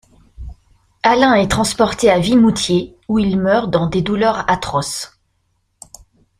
Alain est transporté à Vimoutiers où il meurt dans des douleurs atroces.